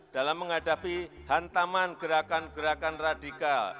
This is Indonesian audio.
dalam menghadapi hantaman gerakan gerakan radikal